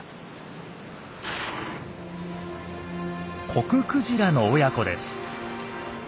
コククジラの親子です。